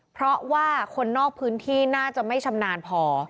เพราะว่าคนนอกพื้นที่น่าจะไม่ชำนาญพอ